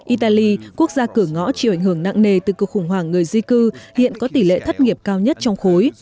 italy quốc gia cửa ngõ chịu ảnh hưởng nặng nề từ cuộc khủng hoảng người di cư hiện có tỷ lệ thất nghiệp cao nhất trong khối